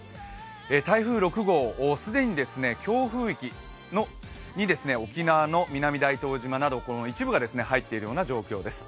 台風６号、既に強風域に沖縄の南大東島など一部が入っているような状況です。